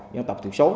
nhân tập thủ số